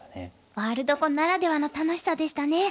ワールド碁ならではの楽しさでしたね。